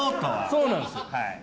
そうなんですよ。